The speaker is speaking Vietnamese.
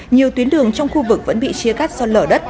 nhiều tuyến đường trong khu vực vẫn bị chia cắt do lở đất